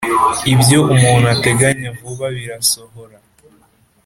ibyo umuntu atateganya vuba birasohora.